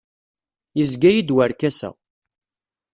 Yezga-iyi-d werkas-a.